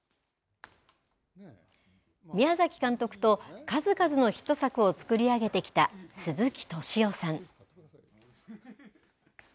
宮崎監督と数々のヒット作を作り上げてきた鈴木敏夫さん。